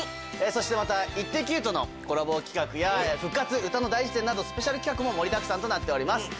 そしてまた『イッテＱ！』とのコラボ企画や『復活！歌の大辞テン‼』などスペシャル企画も盛りだくさんとなっております。